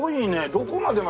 どこまでが。